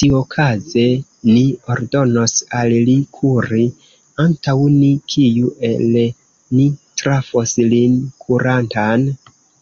Tiuokaze ni ordonos al li kuri antaŭ ni: kiu el ni trafos lin kurantan?